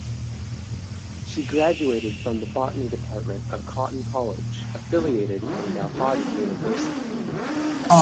She graduated from the Botany Department of Cotton College affiliated from Gauhati University.